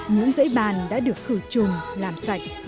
những dãy bàn đã được khử chùm làm sạch